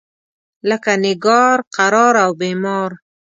لکه نګار، قرار او بیمار.